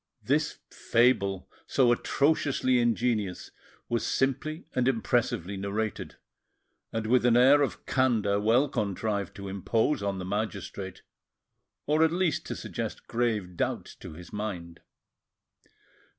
This fable, so atrociously ingenious, was simply and impressively narrated, and with an air of candour well contrived to impose on the magistrate, or, at least, to suggest grave doubts to his mind.